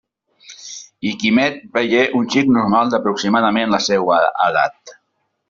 I Quimet veié un xic normal d'aproximadament la seua edat.